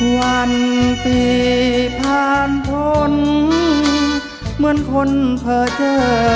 วันปีผ่านพ้นเหมือนคนเผลอเจอ